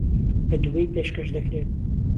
لە دوبەی پێشکەشدەکرێت